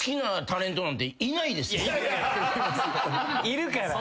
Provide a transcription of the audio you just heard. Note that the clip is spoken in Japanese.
いるから。